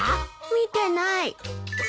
見てない。